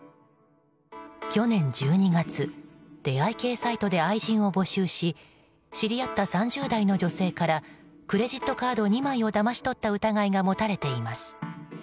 去年１２月、出会い系サイトで愛人を募集し知り合った３０代の女性からクレジットカード２枚をだまし取った疑いが持たれています。